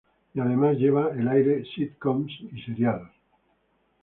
Y además, lleva al aire sitcoms y seriados.